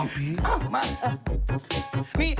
นี่ค่ะ